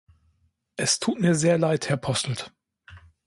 Es tut mir sehr leid, Herr Posselt.